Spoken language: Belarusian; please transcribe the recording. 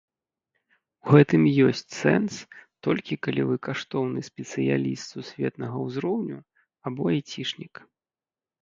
У гэтым ёсць сэнс, толькі калі вы каштоўны спецыяліст сусветнага ўзроўню або айцішнік.